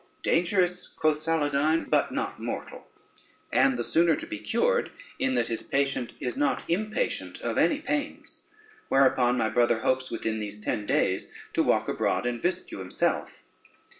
"Dangerous," quoth Saladyne, "but, not mortal; and the sooner to be cured, in that his patient is not impatient of any pains: whereupon my brother hopes within these ten days to walk abroad and visit you himself."